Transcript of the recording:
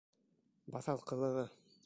Баҫалҡылығы.